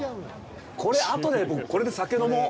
これ、あとで、僕、これで酒飲もう！